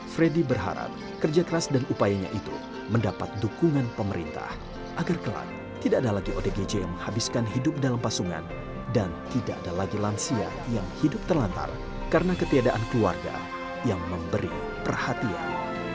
freddy berharap kerja keras dan upayanya itu mendapat dukungan pemerintah agar kelak tidak ada lagi odgj yang menghabiskan hidup dalam pasungan dan tidak ada lagi lansia yang hidup terlantar karena ketiadaan keluarga yang memberi perhatian